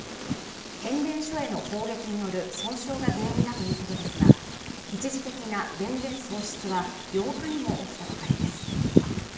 変電所への砲撃による損傷が原因だということですが一時的な電源喪失は８日にも起きたばかりです